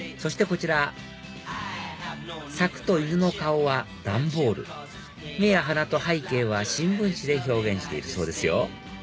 こちら柵と犬の顔は段ボール目や鼻と背景は新聞紙で表現しているそうですよ